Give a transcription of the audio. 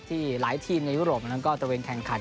หลายทีมในยุโรปนั้นก็ตระเวนแข่งขัน